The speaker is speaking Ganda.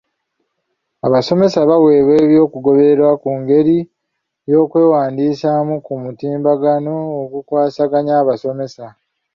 Abasomesa baweebwa ebyokugoberera ku ngeri y'okwewandiisamu ku mutimbagano ogukwasaganya abasomesa.